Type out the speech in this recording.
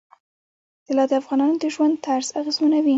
طلا د افغانانو د ژوند طرز اغېزمنوي.